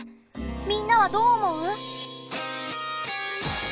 みんなはどう思う？